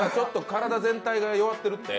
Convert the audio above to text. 体全体が弱ってるって。